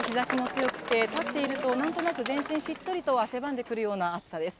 まだまだ日ざしも強くて、立っているとなんとなく、全身しっとりと汗ばんでくるような暑さです。